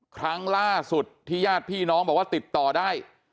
ครั้งล่าสุดที่ญาติพี่น้องบอกว่าติดต่อได้